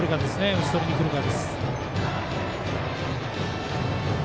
打ち取りにくるか。